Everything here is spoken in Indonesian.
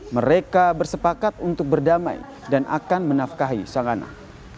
mereka bersepakat untuk berdamai dan akan menafkahi sang anak